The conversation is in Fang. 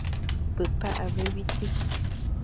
Pepa a ve wui tsit.